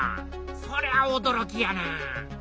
そりゃおどろきやな！